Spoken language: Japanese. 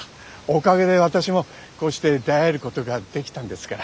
おかげで私もこうして出会えることができたんですから。